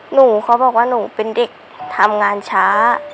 เขาบอกว่าหนูเป็นเด็กทำงานช้า